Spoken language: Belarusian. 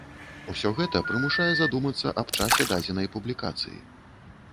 Усё гэта прымушае задумацца аб часе дадзенай публікацыі.